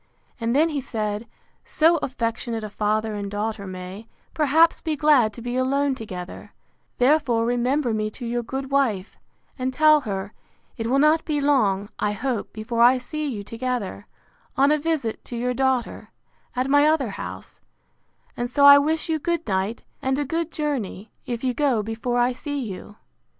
And then he said, So affectionate a father and daughter may, perhaps, be glad to be alone together; therefore remember me to your good wife, and tell her, it will not be long, I hope, before I see you together; on a visit to your daughter, at my other house: and so I wish you good night, and a good journey, if you go before I see you.